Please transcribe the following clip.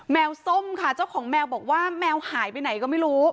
วส้มค่ะเจ้าของแมวบอกว่าแมวหายไปไหนก็ไม่รู้